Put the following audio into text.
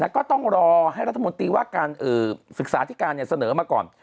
ก็ต้องรอให้รัฐมนตรีว่าการศึกษาที่การเสนอมาก่อน